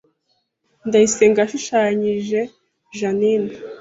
Ndayisenga yashushanyije Jeaninne